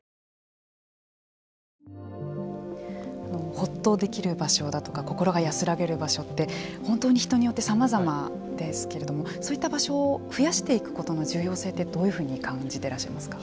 ほっとできる場所だとか心が安らげる場所って本当に人によってさまざまですけれどもそういった場所を増やしていくことの重要性ってどういうふうに感じていらっしゃいますか。